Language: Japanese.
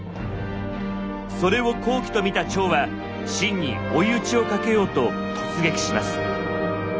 それを好機と見た趙は秦に追い打ちをかけようと突撃します。